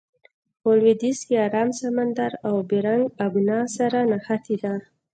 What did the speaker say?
په لویدیځ کې ارام سمندر او بیرنګ آبنا سره نښتې ده.